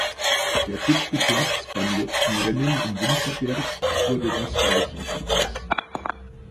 Der siebte Platz beim letzten Rennen in Winterberg wurde das Streichergebnis.